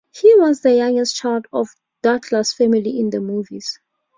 He was the youngest child of the Douglas family in the movies.